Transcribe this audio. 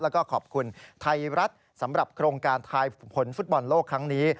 แล้วก็ขอบคุณไทยรัฐสำหรับโครงการทายผลฟุตบอลโลกครั้งนี้